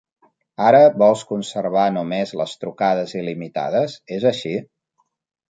Ara vols conservar només les trucades il·limitades, és així?